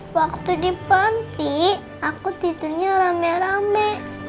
waktu di panti aku tidurnya rame rame